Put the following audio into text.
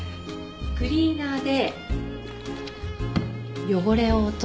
クリーナーで汚れを落として。